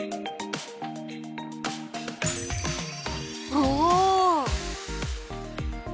お！